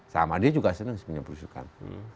sama dia juga senang sebenarnya berusukan